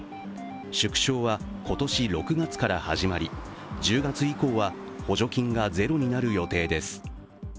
縮小は今年６月から始まり１０月以降は補助金がゼロになる予定です。